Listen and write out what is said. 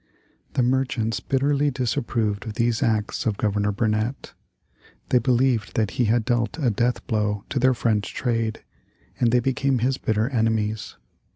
The merchants bitterly disapproved of these acts of Governor Burnet. They believed that he had dealt a death blow to their French trade, and they became his bitter enemies.